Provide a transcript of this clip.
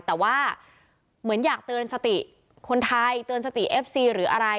แต่ว่าเหมือนอยากเตือนสติคนไทยเตือนสติเอฟซีหรืออะไร